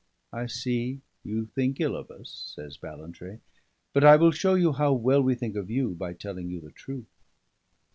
"I see, you think ill of us," says Ballantrae, "but I will show you how well we think of you by telling you the truth.